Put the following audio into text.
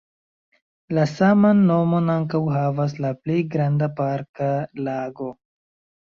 La saman nomon ankaŭ havas la plej granda parka lago.